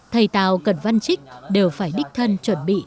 thầy tào cần văn trích đều phải đích thân chuẩn bị